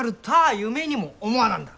夢にも思わなんだ。